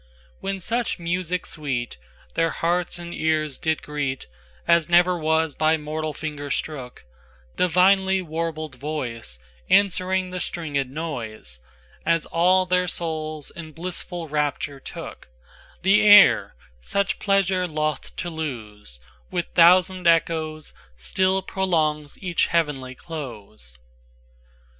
IXWhen such music sweetTheir hearts and ears did greetAs never was by mortal finger strook, Divinely warbled voiceAnswering the stringèd noise, As all their souls in blissful rapture took:The air, such pleasure loth to lose, With thousand echoes still prolongs each heavenly close.